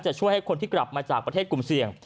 ช่วยให้คนที่กลับมาจากประเทศกลุ่มเสี่ยง